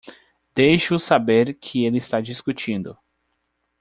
Deixe-o saber que ele está discutindo